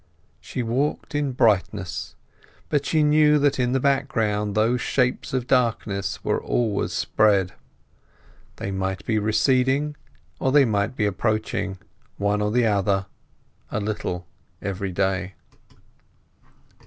She walked in brightness, but she knew that in the background those shapes of darkness were always spread. They might be receding, or they might be approaching, one or the other, a little every day.